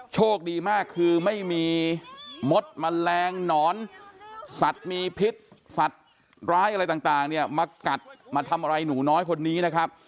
โชคดีมากคือไม่มีมดแมลงหนอนสัตว์มีพิษสัตว์ร้ายอะไรต่างเนี่ยมากัดมาทำอะไรหนูน้อยคนนี้นะครับ